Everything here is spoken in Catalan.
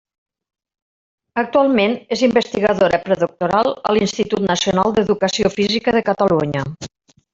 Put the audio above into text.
Actualment és investigadora predoctoral a l'Institut Nacional d'Educació Física de Catalunya.